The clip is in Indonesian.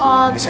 oh gitu ya